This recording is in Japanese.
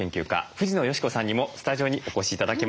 藤野嘉子さんにもスタジオにお越し頂きました。